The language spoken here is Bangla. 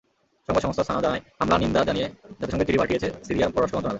সংবাদ সংস্থা সানা জানায়, হামলা নিন্দা জানিয়ে জাতিসংঘে চিঠি পাঠিয়েছে সিরিয়ার পররাষ্ট্র মন্ত্রণালয়।